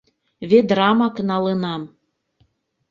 Ведрамак налынам...